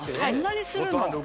そんなにするの？